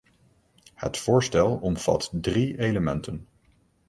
Het voorstel omvat drie elementen.